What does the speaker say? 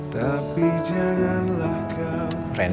taksi saya udah dateng